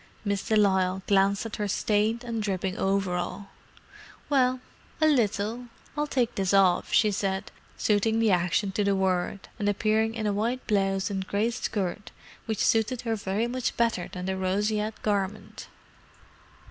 Miss de Lisle glanced at her stained and dripping overall. "Well, a little. I'll take this off," she said, suiting the action to the word, and appearing in a white blouse and grey skirt which suited her very much better than the roseate garment.